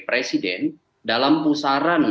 presiden dalam pusaran